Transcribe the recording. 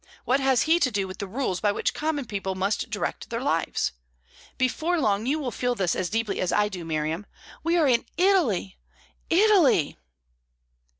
What has he to do with the rules by which common people must direct their lives? Before long, you will feel this as deeply as I do, Miriam. We are in Italy, Italy!"